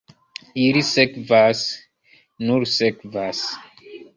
Ili sekvas, nur sekvas.